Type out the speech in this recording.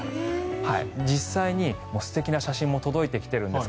実際に素敵な写真も届いてきているんです。